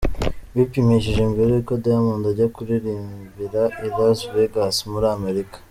Bipimishije mbere y’uko Diamond ajya kuririmbira i Las Vegas muri Amerika.